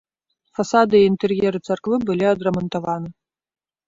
Фасады і інтэр'еры царквы былі адрамантаваны.